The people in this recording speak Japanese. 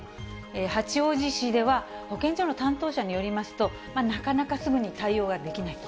八王子市では、保健所の担当者によりますと、なかなかすぐに対応ができないと。